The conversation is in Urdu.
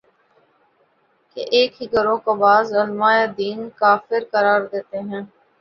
کہ ایک ہی گروہ کو بعض علماے دین کافر قرار دیتے ہیں